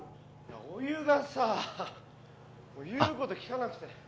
お湯がさ言うこと聞かなくて。